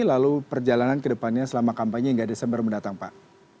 lalu perjalanan ke depannya selama kampanye hingga desember mendatang pak